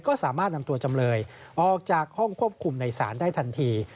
ก็สามารถนำตัวจำเลยออกจากห้องควบคุมในศาลได้ทันที